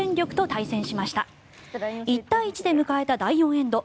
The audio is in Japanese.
１対１で迎えた第４エンド。